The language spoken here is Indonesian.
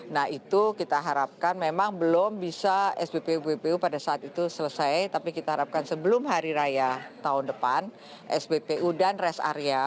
nah itu kita harapkan memang belum bisa sppu bpu pada saat itu selesai tapi kita harapkan sebelum hari raya tahun depan sbpu dan rest area